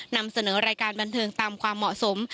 นำเสนอรายการบันเทิงตามความเหมาะสม